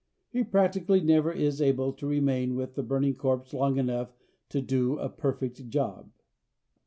He practically never is able to remain with the burning corpse long enough to do a perfect job.